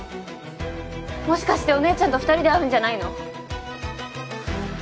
もしかしてお姉ちゃんと２人で会うんじゃないの？